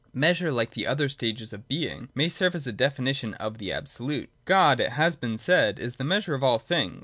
Measure, like the? other stages of Being, may serve as a definition of the Absolute : God, it has been said, is the Measure of all things.